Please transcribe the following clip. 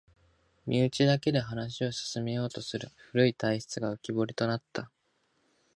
身内だけで話を進めようとする古い体質が浮きぼりとなった